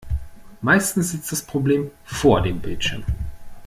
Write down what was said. Meistens sitzt das Problem vor dem Bildschirm.